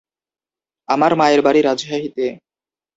আমার মায়ের বাড়ি রাজশাহীতে।